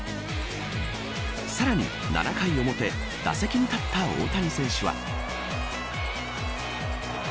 さらに７回表打席に立った大谷選手は。